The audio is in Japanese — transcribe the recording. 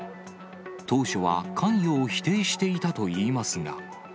当初は関与を否定していたといいますが。